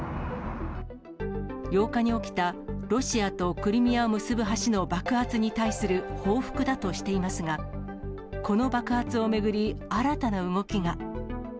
８日に起きたロシアとクリミアを結ぶ橋の爆発に対する報復だとしていますが、この爆発を巡り、新たな動きが。